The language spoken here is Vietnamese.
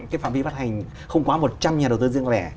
cái phạm vi phát hành không quá một trăm linh nhà đầu tư riêng lẻ